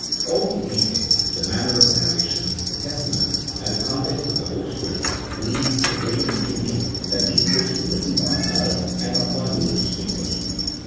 All these details, the manner of narration, the testimony, and the context of the whole story lead to the plain conclusion 124 A THEOLOGICO POLITICAL TREATISE. [CHAP. VIII. that these books were written by another, and not by Moses in person.